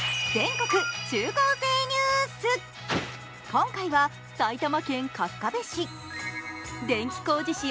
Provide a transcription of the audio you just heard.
今回は、埼玉県春日部市。